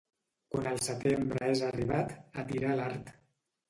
Quan el setembre és arribat, a tirar l'art.